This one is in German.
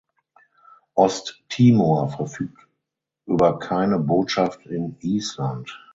Osttimor verfügt über keine Botschaft in Island.